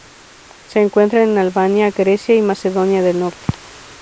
Se encuentra en Albania, Grecia y Macedonia del Norte.